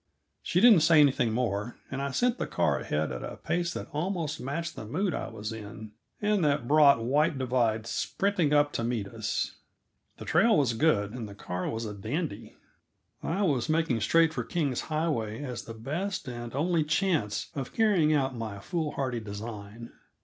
She didn't say anything more, and I sent the car ahead at a pace that almost matched the mood I was in, and that brought White Divide sprinting up to meet us. The trail was good, and the car was a dandy. I was making straight for King's Highway as the best and only chance of carrying out my foolhardy design.